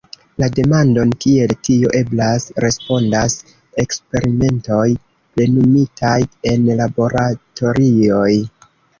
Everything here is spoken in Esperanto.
La demandon Kiel tio eblas, respondas eksperimentoj plenumitaj en laboratorioj.